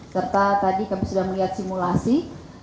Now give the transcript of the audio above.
serta tadi kami sudah melihat simulasi